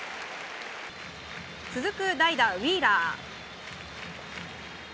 続く代打、ウィーラー。